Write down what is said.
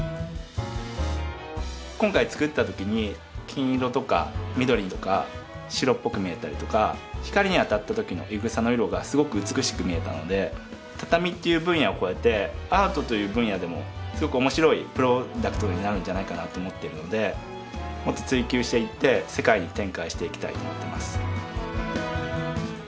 今回作った時に金色とか緑とか白っぽく見えたりとか光に当たった時のいぐさの色がすごく美しく見えたので畳という分野を超えてアートという分野でもすごく面白いプロダクトになるんじゃないかなと思っているのでもっと追求していって世界に展開していきたいと思ってます。